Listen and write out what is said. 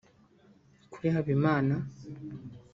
Kuri Habimana